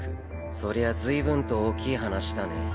そりゃ随分と大きい話だね。